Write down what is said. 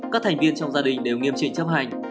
các thành viên trong gia đình đều nghiêm trị chấp hành